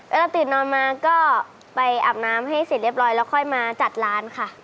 ตื่นนอนมาก็ไปอาบน้ำให้เสร็จเรียบร้อยแล้วค่อยมาจัดร้านค่ะ